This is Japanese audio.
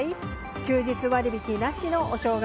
休日割引なしのお正月。